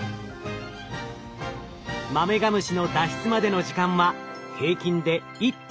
マメガムシの脱出までの時間は平均で１．６時間。